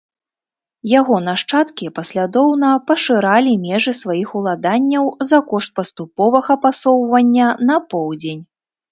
Яго нашчадкі паслядоўна пашыралі межы сваіх уладанняў за кошт паступовага пасоўвання на поўдзень.